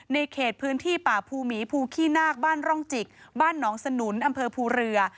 เขตพื้นที่ป่าภูหมีภูขี้นาคบ้านร่องจิกบ้านหนองสนุนอำเภอภูเรือ